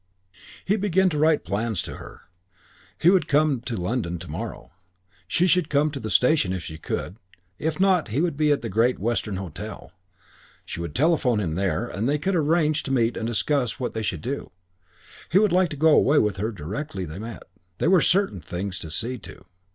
VI He began to write plans to her. He would come to London to morrow.... She should come to the station if she could; if not, he would be at the Great Western Hotel. She would telephone to him there and they could arrange to meet and discuss what they should do.... He would like to go away with her directly they met, but there were certain things to see to.